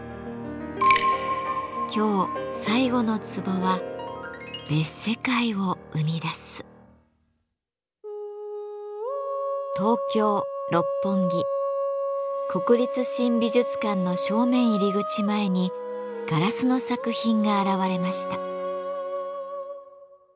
今日最後のツボは東京・六本木国立新美術館の正面入り口前にガラスの作品が現れました。